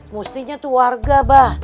mestinya tuh warga mbak